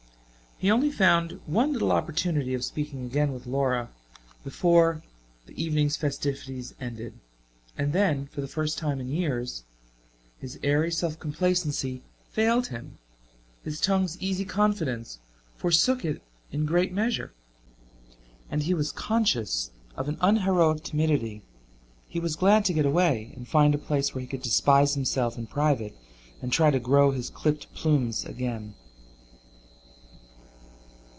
He only found one little opportunity of speaking again with Laura before the evening's festivities ended, and then, for the first time in years, his airy self complacency failed him, his tongue's easy confidence forsook it in a great measure, and he was conscious of an unheroic timidity. He was glad to get away and find a place where he could despise himself in private and try to grow his clipped plumes again.